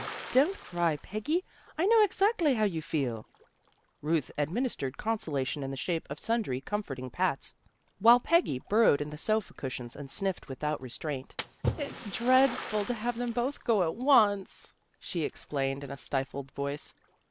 Don't cry, Peggy. I know exactly how you feel." Ruth adminis tered consolation in the shape of sundry com forting pats, while Peggy burrowed in the sofa cushions and sniffed without restraint. " It's dreadful to have them both go at once," she explained in a stifled voice.